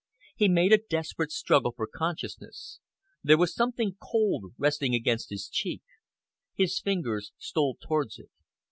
He made a desperate struggle for consciousness. There was something cold resting against his cheek. His fingers stole towards it.